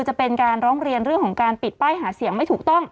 จะเป็นการร้องเรียนเรื่องของการปิดป้ายหาเสียงไม่ถูกต้อง